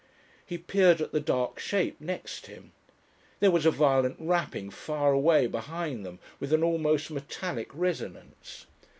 He peered at the dark shape next him. There was a violent rapping far away behind them with an almost metallic resonance.